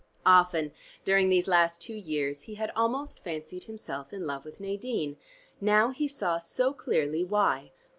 Often during these last two years, he had almost fancied himself in love with Nadine; now he saw so clearly why.